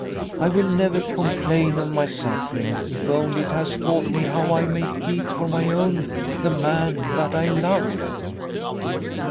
I will never complain of my suffering, if only it has taught me how I may keep for my own the man that I love."